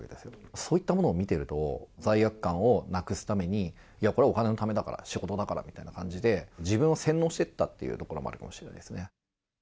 そういったものを見ていると、罪悪感をなくすために、いや、これはお金のためだから、仕事だからって、自分を洗脳していったっていうところもあるかもしれませんね。